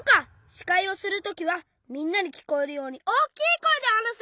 しかいをするときはみんなにきこえるようにおおきいこえではなす！